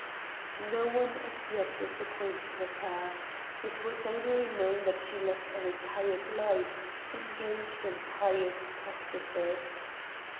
No one as yet was acquainted with her. It was only known that she led a retired life, engaged in pious practices.